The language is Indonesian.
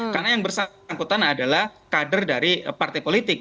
karena yang bersangkutan adalah kader dari partai politik